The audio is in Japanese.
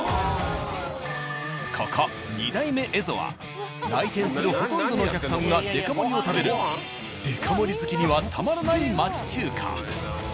ここ「二代目蝦夷」は来店するほとんどのお客さんがデカ盛りを食べるデカ盛り好きにはたまらない町中華。